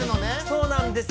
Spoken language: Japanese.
そうなんです。